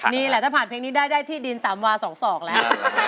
นี่แหละถ้าผ่านเพลงนี้ได้ที่ดิน๓วา๒๒แล้ว